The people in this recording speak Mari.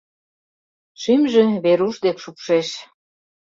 Шӱмжӧ Веруш дек шупшеш.